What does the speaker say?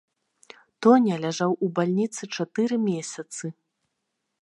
Тоня ляжаў у бальніцы чатыры месяцы.